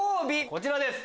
こちらです。